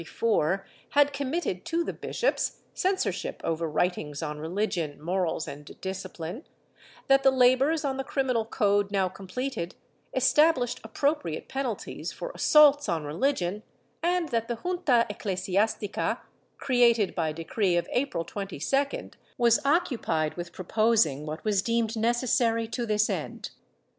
468 DECADENCE AND EXTINCTION [Book IX a decree of January 4, 1834, had committed to the bishops censor ship over writings on rehgion, morals and discipline; that the labors on the criminal code, now completed, established appro priate penalties for assaults on religion, and that the Junta ecle siastica, created by decree of April 22d, was occupied with pro posing what was deemed necessary to this end.